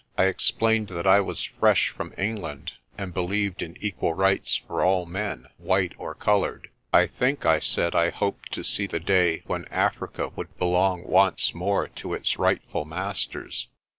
I ex plained that I was fresh from England, and believed in equal rights for all men, white or coloured. I think I said I hoped to see the day when Africa would belong once more to its rightful masters.